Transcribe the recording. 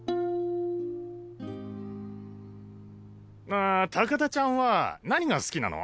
ああ高田ちゃんは何が好きなの？